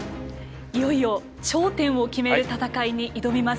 いよいよ頂点を決める戦いに挑みます。